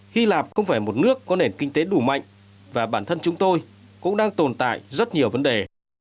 hy lạp không phải một nước có nền kinh tế đủ mạnh và bản thân chúng tôi cũng đang tồn tại rất nhiều vấn đề